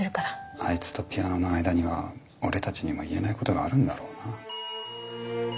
あいつとピアノの間には俺たちにも言えないことがあるんだろうな。